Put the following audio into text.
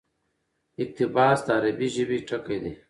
اقتباس: د عربي ژبي ټکى دئ.